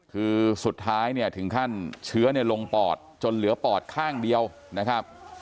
คือสุดท้ายเนี่ยถึงขั้นเชื้อลงปอดจนเหลือปอดข้างเดียวนะครับ